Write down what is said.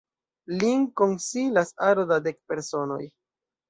Lin konsilas aro da dek personoj.